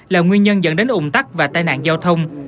là nguyên nhân dẫn đến ủng tắc và tai nạn giao thông